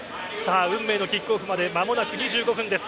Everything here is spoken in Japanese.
運命のキックオフまで間もなく２５分です。